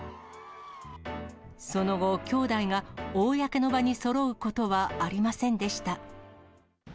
その後、兄弟が公の場にそろうことはありませんでした。